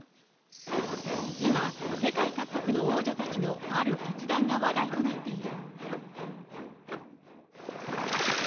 今、世界各国の王女たちのある決断が話題となっている。